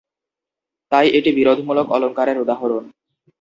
তাই এটি বিরোধমূলক অলঙ্কারের উদাহরণ।